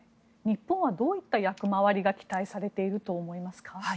日本はどういった役回りが期待されていると思いますか？